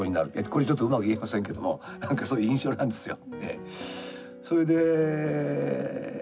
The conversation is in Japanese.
これちょっとうまく言えませんけどもなんかそういう印象なんですよ。